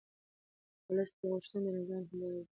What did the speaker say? د ولس غوښتنې د نظام هنداره ده